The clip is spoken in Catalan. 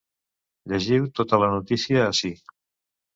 Llegiu tota la notícia ací.